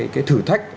cái thử thách